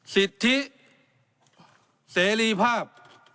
สิทธิเสรีภาพ